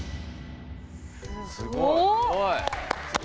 すごい！